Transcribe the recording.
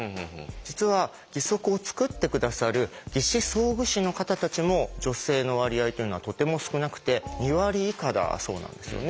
実は義足をつくって下さる義肢装具士の方たちも女性の割合というのはとても少なくて２割以下だそうなんですよね。